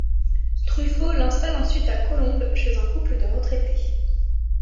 Truffaut l'installe ensuite à Colombes chez un couple de retraités.